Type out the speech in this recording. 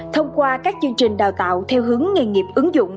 thông qua các chương trình đào tạo theo hướng nghề nghiệp ứng dụng